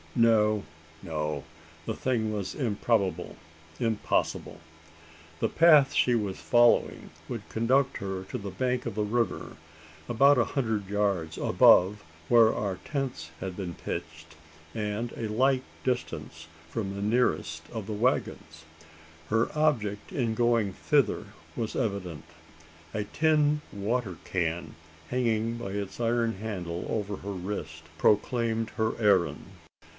No, no: the thing was improbable impossible! The path she was following would conduct her to the bank of the river about a hundred yards above where our tents had been pitched, and a like distance from the nearest of the waggons. Her object in going thither was evident. A tin water can, hanging by its iron handle over her wrist, proclaimed her errand.